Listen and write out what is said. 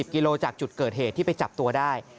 กิโลจากจุดเกิดเหตุที่ไปจับตัวได้